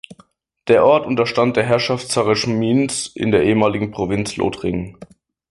Der Ort unterstand der Herrschaft Sarreguemines in der ehemaligen Provinz Lothringen.